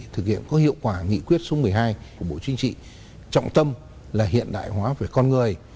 thực hiện có hiệu quả nghị quyết số một mươi hai của bộ chính trị trọng tâm là hiện đại hóa về con người